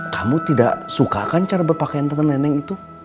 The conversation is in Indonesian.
kamu tidak sukakan cara berpakaian tante neneng itu